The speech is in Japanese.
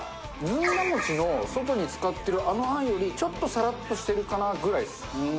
ずんだ餅の外に使ってるあの餡よりちょっとサラッとしてるかなぐらいです。